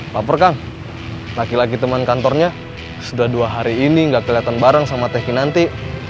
laper kang laki laki teman kantornya sudah dua hari ini gak keliatan bareng sama teh kinanti